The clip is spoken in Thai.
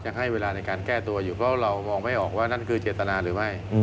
ให้เวลาในการแก้ตัวอยู่เพราะเรามองไม่ออกว่านั่นคือเจตนาหรือไม่